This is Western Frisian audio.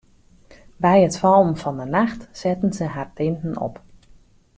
By it fallen fan 'e nacht setten se har tinten op.